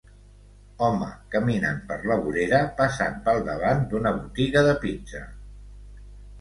Home caminant per la vorera passant pel davant d'una botiga de pizza.